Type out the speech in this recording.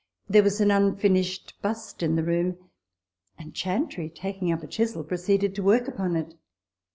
There was an unfinished bust in the room ; and Chantrey, taking up a chisel, proceeded to work upon it.